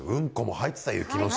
入ってた！